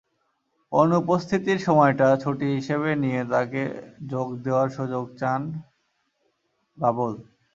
অনুপস্থিতির সময়টা ছুটি হিসেবে নিয়ে তাঁকে যোগ দেওয়ার সুযোগ চান বাবুল।